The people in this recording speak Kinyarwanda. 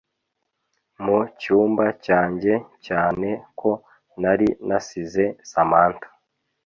mu cyumba cyanjye cyane ko nari nasize Samantha